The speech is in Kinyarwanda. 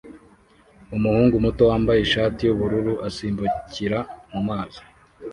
Umuhungu muto wambaye ishati yubururu asimbukira mumazi